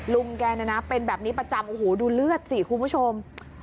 ลุงแกเป็นแบบนี้ประจำดูเลือดสิคุณผู้ชม